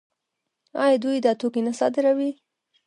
آیا دوی دا توکي نه صادروي؟